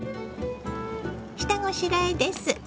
下ごしらえです。